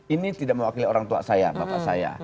ini tidak mewakili orang tua saya bapak saya